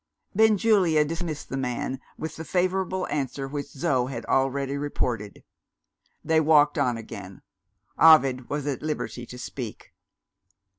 Benjulia dismissed the man, with the favourable answer which Zo had already reported. They walked on again. Ovid was at liberty to speak.